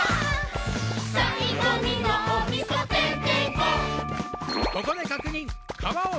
ここで確認！